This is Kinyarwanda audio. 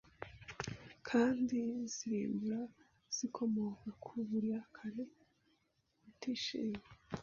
kandi zirimbura zikomoka ku burakari, kutishima